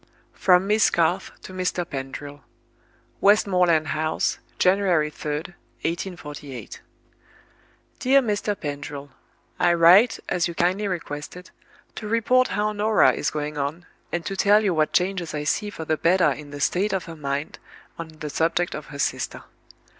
From Miss Garth to Mr. Pendril. "Westmoreland House, January 3d, 1848. "Dear Mr. Pendril, "I write, as you kindly requested, to report how Norah is going on, and to tell you what changes I see for the better in the state of her mind on the subject of her sister.